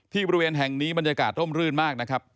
บริเวณแห่งนี้บรรยากาศร่มรื่นมากนะครับ